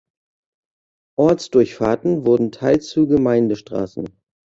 Ortsdurchfahrten wurden teils zu Gemeindestraßen.